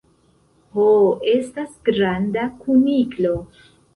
Ho estas granda kuniklo.